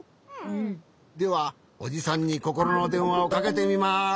ではおじさんにココロのでんわをかけてみます。